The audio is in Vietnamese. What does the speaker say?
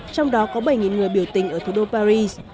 trong đó có bảy người biểu tình ở thủ đô paris